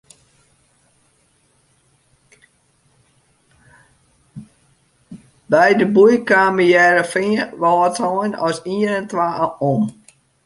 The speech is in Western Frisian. By de boei kamen Hearrenfean en Wâldsein as ien en twa om.